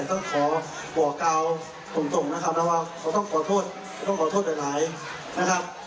อยากมาฟังเพลงของเสียงบลัดโซ่นะคะ